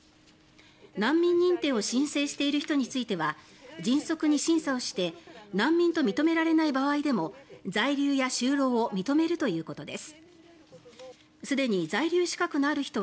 難民認定を申請している人については迅速に審査をして難民と認められない場合でも在留や就労を認めるということです。